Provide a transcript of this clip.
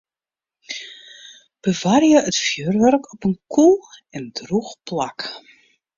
Bewarje it fjurwurk op in koel en drûch plak.